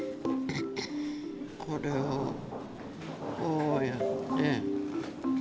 これをこうやって。